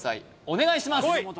お願いします